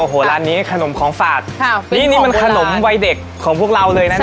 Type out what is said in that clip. โอ้โหร้านนี้ขนมของฝากนี่นี่มันขนมวัยเด็กของพวกเราเลยนะ